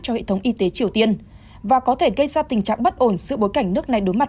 cho hệ thống y tế triều tiên và có thể gây ra tình trạng bất ổn giữa bối cảnh nước này đối mặt